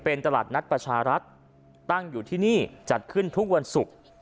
เป็นตลาดนัดประชารัฐตั้งอยู่ที่นี่จัดขึ้นทุกวันศุกร์